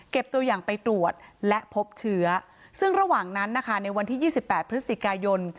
เก็บตัวอย่างไปตรวจและพบเชื้อซึ่งระหว่างนั้นนะคะในวันที่ยี่สิบแปดพฤษฎีกายน